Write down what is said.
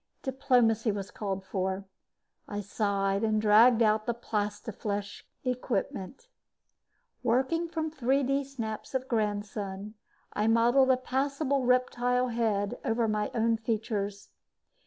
Diplomacy was called for. I sighed and dragged out the plastiflesh equipment. Working from 3D snaps of Grandson, I modeled a passable reptile head over my own features.